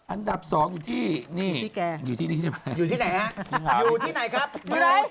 อันดับสองอยู่ที่นี่อยู่ที่นี่ใช่ไหมอยู่ที่ไหนฮะอยู่ที่ไหนครับอยู่ไหน